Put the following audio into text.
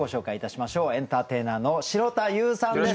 エンターテイナーの城田優さんです。